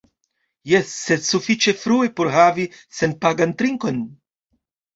Jes... sed sufiĉe frue por havi senpagan trinkon